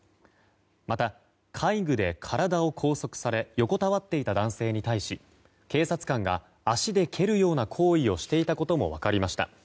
また戒具で体を拘束され横たわっていた男性に対し警察官が足で蹴るような行為をしていたことも分かりました。